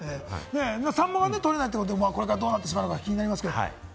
サンマはね、取れないということ、これからどうなってくるか気になりますけれども。